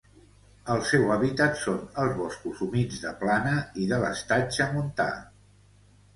El seu hàbitat són els boscos humits de plana i de l'estatge montà.